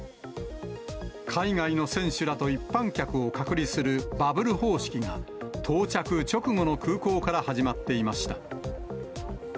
海外の選手らと一般客を隔離するバブル方式が、到着直後の空港から始まっていました。